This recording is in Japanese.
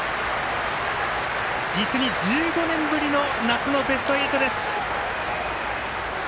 実に１５年ぶりの夏のベスト８です。